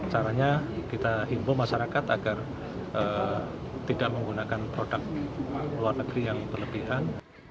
caranya kita himbo masyarakat agar tidak menggunakan produk luar negeri yang berlebihan